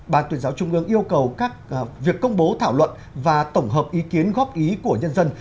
ban tuyên giáo trung ương yêu cầu các việc công bố thảo luận và tổng hợp ý kiến góp ý của nhân dân